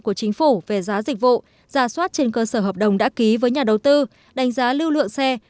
của chính phủ về giá dịch vụ giả soát trên cơ sở hợp đồng đã ký với nhà đầu tư đánh giá lưu lượng xe